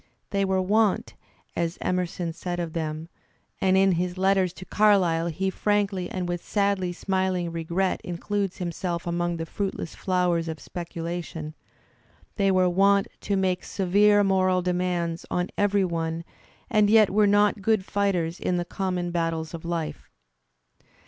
They were wont, as Emerson said of them (and in his letters to Carlyle he frankly and with sadly smiling regret includes himself among the fruitless flowers of speculation) — they were wont to make severe moral demands on every one and yet were not good fighters in the conunon battles of life.